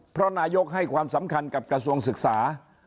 เพราะนายกให้ความสำคัญกับกระทรวงศึกษา